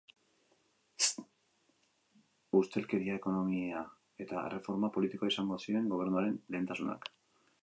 Ustelkeria, ekonomia eta erreforma politikoa izango ziren gobernuaren lehentasunak.